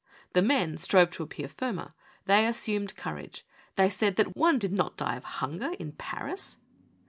The men strove to appear firmer. They assumed courage ; they said that one did not die of hunger in Paris.